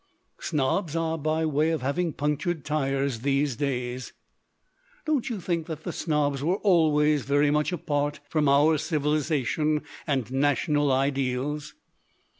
Snobs are by way of having punctured tires these days. 119 LITERATURE IN THE MAKING " Don't you think that the snobs were always very much apart from our civilization and national ideals?